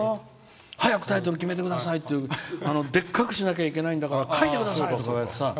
「早くタイトル決めてくださいってでっかくしなきゃいけないんだから書いてくださいって。